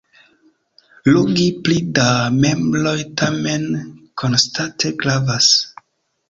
Logi pli da membroj tamen konstante gravas.